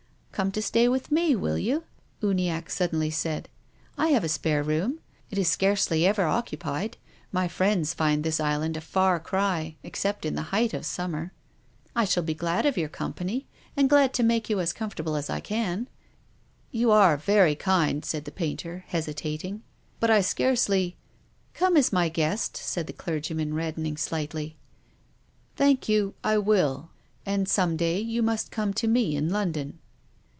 "Come to stay with me, will you?" Uniacke suddenly said. " I have a spare room. It is scarce ly ever occupied. My friends find this island a far cry, except in the height of summer. I shall be 10 TONGUES OF CONSCIENCE. glad of your company and glad to make you as comfortable as I can." " You are very kind," said the painter, hesitat ing. " But I scarcely —"" Come as my guest," said the clergyman, red dening slightly. " Thank you, I will. And some day you must come to me in London."